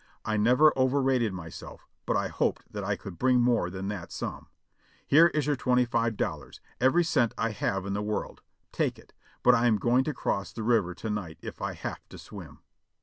I never overrated myself, but I hoped that I could bring more than that sum. Here is your twenty five dollars, every cent I have in the world ; take it ; but I am going to cross the river to night if I have to swim."